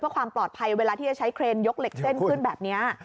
เพื่อความปลอดภัยเวลาที่จะใช้เครนยกเหล็กเส้นขึ้นแบบนี้